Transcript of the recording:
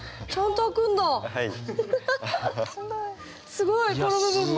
すごいこの部分も。